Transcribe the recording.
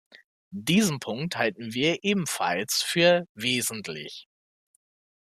Diesen Punkt halten wir ebenfalls für wesentlich.